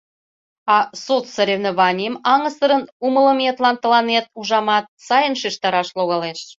— А соцсоревнованийым аҥысырын умылыметлан тыланет, ужамат, сайын шижтараш логалеш.